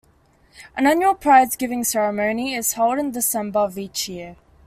An annual prizegiving ceremony is held in December of each year.